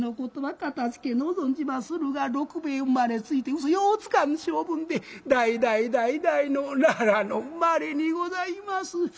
かたじけのう存じまするが六兵衛生まれついてうそようつかん性分で代々代々の奈良の生まれにございます」。